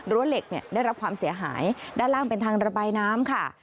เหล็กเนี่ยได้รับความเสียหายด้านล่างเป็นทางระบายน้ำค่ะ